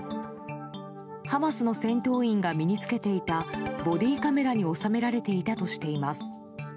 ハマスの戦闘員が身に付けていたボディーカメラに収められていたとしています。